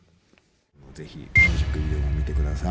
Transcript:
ぜひミュージックビデオも見て下さい。